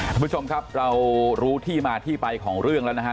คุณผู้ชมครับเรารู้ที่มาที่ไปของเรื่องแล้วนะฮะ